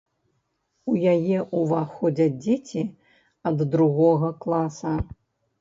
У яе ўваходзяць дзеці ад другога класа.